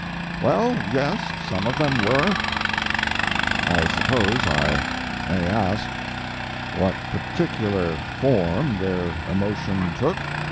"Well, yes, some of them were." "I suppose I may ask what particular form their emotion took?"